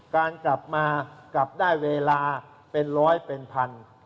การกลับมากลับได้เวลาเป็นร้อยเป็นพัน